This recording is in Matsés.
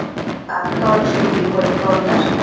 Aton chibibimbuec iccosh